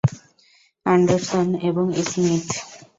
Anderson এবং Smith!